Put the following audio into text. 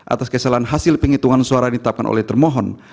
atas kesalahan hasil penghitungan suara ditetapkan oleh termohon